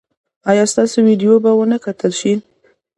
ایا ستاسو ویډیو به و نه کتل شي؟